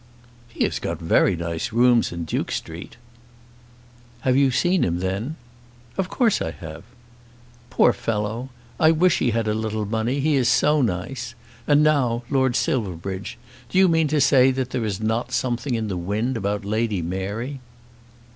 "He has got very nice rooms in Duke Street." "Have you seen him, then?" "Of course I have." "Poor fellow! I wish he had a little money; he is so nice. And now, Lord Silverbridge, do you mean to say that there is not something in the wind about Lady Mary?"